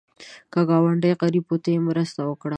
که ګاونډی غریب وي، ته یې مرسته وکړه